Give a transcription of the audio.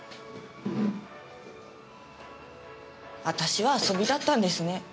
私は遊びだったんですね。